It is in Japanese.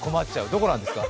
どこなんですか？